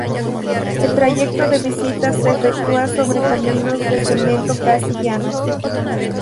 El trayecto de visita se efectúa sobre caminos de cemento casi llanos.